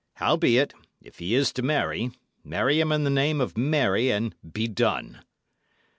Howbeit, if he is to marry, marry him in the name of Mary, and be done!"